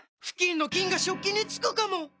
フキンの菌が食器につくかも⁉